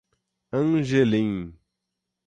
Angelim